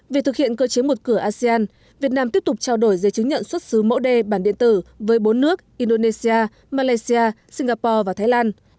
về thực hiện cơ chế một cửa asean việt nam tiếp tục trao đổi dây chứng nhận xuất xứ mẫu đê bản điện tử với bốn nước indonesia malaysia singapore và thái lan